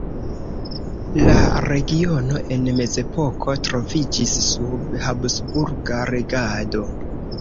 La regiono en mezepoko troviĝis sub habsburga regado.